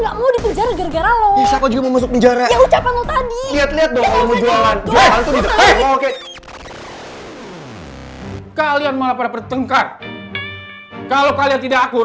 oh putri gak bisa dihubungin